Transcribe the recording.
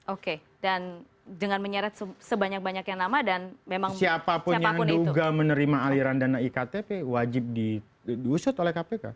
oke dan dengan menyeret sebanyak banyaknya nama dan memang siapapun yang menduga menerima aliran dana iktp wajib diusut oleh kpk